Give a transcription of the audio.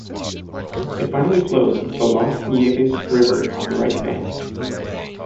It finally flows into the Las Nieves river on the right bank.